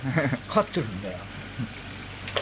飼ってるんだよ。